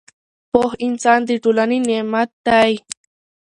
پوه انسان د ټولنې نعمت دی